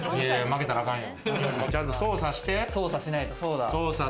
ちゃんと捜査して！